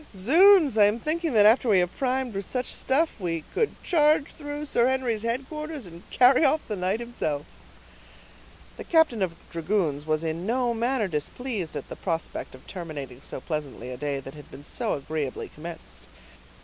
Zounds! I am thinking that after we have primed with such stuff, we could charge through Sir Henry's headquarters, and carry off the knight himself." The captain of dragoons was in no manner displeased at the prospect of terminating so pleasantly a day that had been so agreeably commenced.